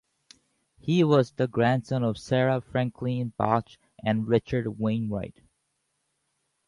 He was the grandson of Sarah Franklin Bache and Richard Wainwright.